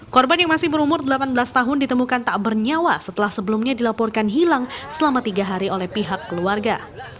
korban yang masih berumur delapan belas tahun ditemukan tak bernyawa setelah sebelumnya dilaporkan hilang selama tiga hari oleh pihak keluarga